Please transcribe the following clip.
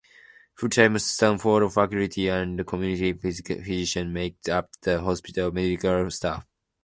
Full-time Stanford faculty and community physicians make up the hospital medical staff.